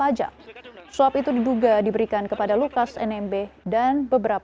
alex menduga rijatano sepakat untuk memberikan fee empat belas dari total nilai kontrak yang didapat setelah perusahaan tbp